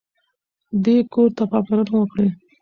دې کور ته پاملرنه وکړئ.